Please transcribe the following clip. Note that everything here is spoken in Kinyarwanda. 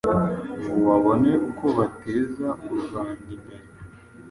ngo babone uko bateza u Rwanda imbere.